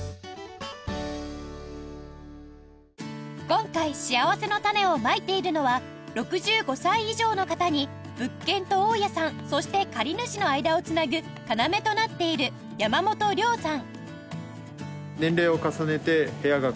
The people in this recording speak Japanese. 今回しあわせのたねをまいているのは６５歳以上の方に物件と大家さんそして借主の間をつなぐ要となっている山本遼さん